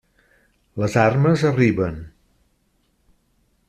Les armes arriben.